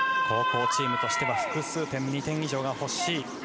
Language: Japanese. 後攻チームとしては複数点２点以上がほしい。